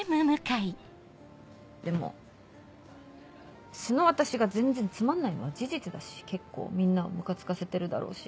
でも素の私が全然つまんないのは事実だし結構みんなをムカつかせてるだろうし。